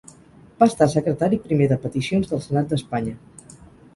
Va estar Secretari primer de peticions del Senat d'Espanya.